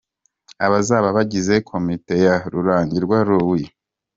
Abazaba bagize komite ya Rurangirwa Louis:.